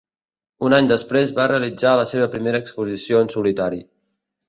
Un any després va realitzar la seva primera exposició en solitari.